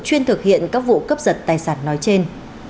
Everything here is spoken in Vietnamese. chuyên thực hiện các vụ cướp giật tài sản nói trên